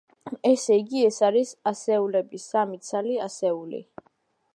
ესე იგი, ეს არის ასეულები, სამი ცალი ასეული.